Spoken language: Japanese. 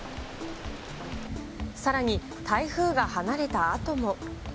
さらに、台風が離れたあとも。